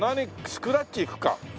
スクラッチいきますか？